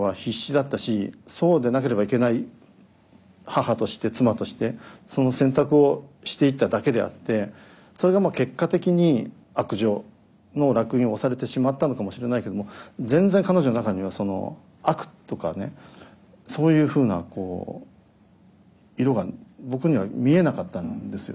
母として妻としてその選択をしていっただけであってそれが結果的に悪女の烙印を押されてしまったのかもしれないけども全然彼女の中にはその悪とかねそういうふうな色が僕には見えなかったんですよね。